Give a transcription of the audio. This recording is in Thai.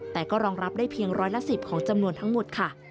แต่ก็รองรับได้เพียงร้อยละ๑๐ของจำนวนทั้งหมดค่ะ